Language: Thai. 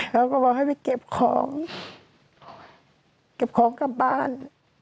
เราก็บอกให้ไปเก็บของเก็บของกลับบ้าน